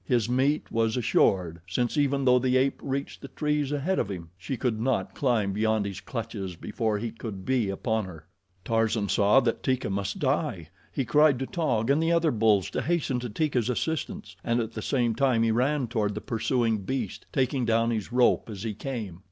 His meat was assured, since even though the ape reached the trees ahead of him she could not climb beyond his clutches before he could be upon her. Tarzan saw that Teeka must die. He cried to Taug and the other bulls to hasten to Teeka's assistance, and at the same time he ran toward the pursuing beast, taking down his rope as he came.